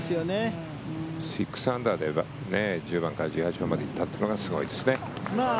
６アンダーで１０番から１８番まで行ったというのがすごいですよね。